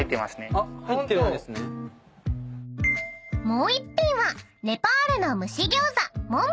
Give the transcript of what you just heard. ［もう一品はネパールの蒸し餃子］